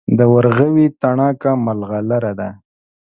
د ورغوي تڼاکه ملغلره ده.